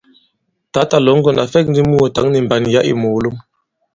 Tǎtà Lɔ̌ŋgon à fɛ̂k ndi mùùtǎŋ nì mbàn yǎ ì mòòlom.